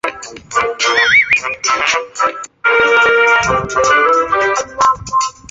火门枪是用来指像突火枪与手铳这种直接使用燃烧的火棒从火门点火的火器。